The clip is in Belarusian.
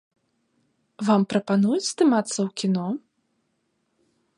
Вам прапануюць здымацца ў кіно?